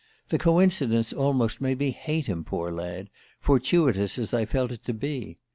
The coincidence almost made me hate him, poor lad, fortuitous as I felt it to be.